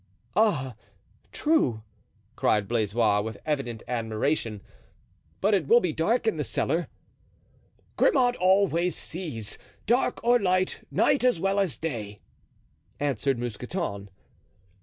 "Ah, true," cried Blaisois, with evident admiration; "but it will be dark in the cellar." "Grimaud always sees, dark or light, night as well as day," answered Mousqueton.